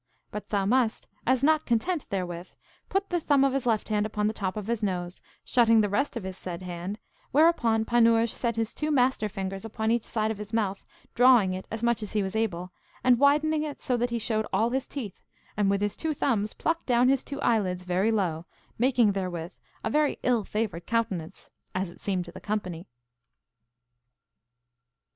But Thaumast, as not content therewith, put the thumb of his left hand upon the top of his nose, shutting the rest of his said hand, whereupon Panurge set his two master fingers upon each side of his mouth, drawing it as much as he was able, and widening it so that he showed all his teeth, and with his two thumbs plucked down his two eyelids very low, making therewith a very ill favoured countenance, as it seemed to the company.